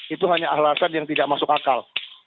itu hanya alasan yang tidak masuk akal